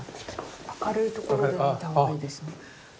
明るいところで見た方がいいですね。